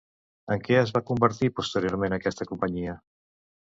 En què es va convertir posteriorment aquesta companyia?